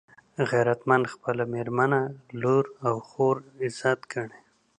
غیرتمند خپله مېرمنه، لور او خور عزت ګڼي